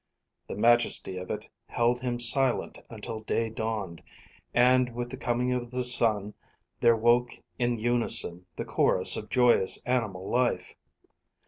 The majesty of it held him silent until day dawned, and with the coming of the sun there woke in unison the chorus of joyous animal life.